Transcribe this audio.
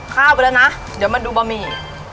ข้าวไปแล้วนะเดี๋ยวมาดูบะหมี่